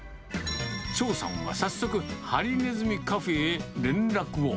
張さんは早速、ハリネズミカフェへ連絡を。